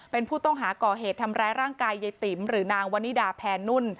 เป็นผู้ต้องหาก่อเหตุทำร้ายร่างกายยายติ๋มหรือนางวันนิดาแพนนุ่น